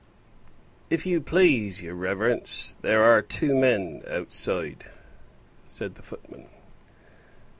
"If you please, your reverence, there are two men outside," said the footman.